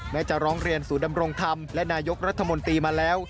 แม้จะร้องเรียนสู่ดำรงคำและนายกรัฐมนตรีมาแล้ว